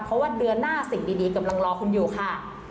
เพราะว่าเดือนหน้าสิ่งดีกำลังรอคุณอยู่ค่ะ